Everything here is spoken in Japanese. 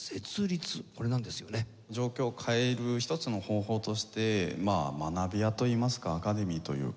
状況を変える一つの方法としてまあ学び舎といいますかアカデミーというか。